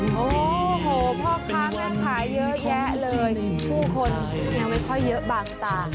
โอ้โหพ่อค้าแม่ขายเยอะแยะเลยผู้คนยังไม่ค่อยเยอะบางตา